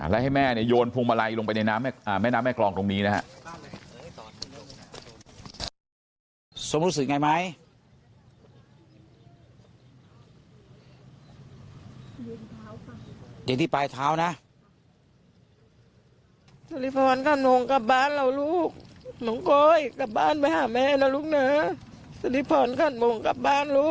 และให้แม่โยนพุงมาลัยลงไปในน้ำแม่กรองตรงนี้นะครับ